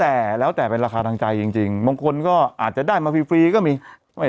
แต่แล้วแต่เป็นราคาทางใจจริงบางคนก็อาจจะได้มาฟรีฟรีก็มีไม่